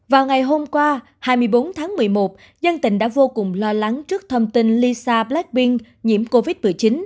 vào ngày hôm qua hai mươi bốn tháng một mươi một dân tình đã vô cùng lo lắng trước thông tin lisa blackpink nhiễm covid một mươi chín